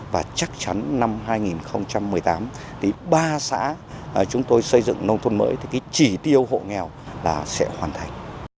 và chắc chắn năm hai nghìn một mươi tám thì ba xã chúng tôi xây dựng nông thôn mới thì cái chỉ tiêu hộ nghèo là sẽ hoàn thành